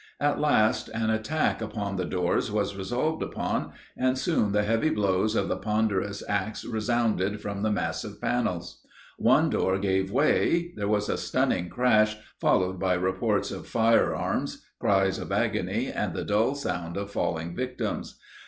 At last an attack upon the doors was resolved upon, and soon the heavy blows of the ponderous axe resounded from the massive panels. One door gave way: there was a stunning crash, followed by reports of fire arms, cries of agony, and the dull sound of falling victims.